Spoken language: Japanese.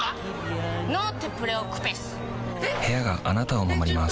部屋があなたを守ります